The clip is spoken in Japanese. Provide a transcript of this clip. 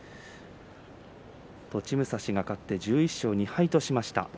栃武蔵が勝って１１勝２敗としました。